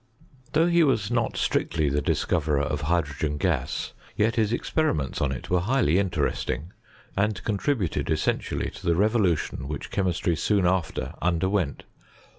Though he was not strictly the discoverer of hydro gen gas, yethisexpernnents(«i it were highly intoest ing, and contributed essentially to the levolutioB which chemistry soon after underwent.